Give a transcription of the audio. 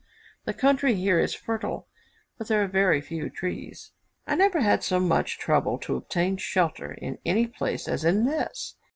The country here is fertile, but there are very few trees. I never had so much trouble to obtain shelter in any place as in this.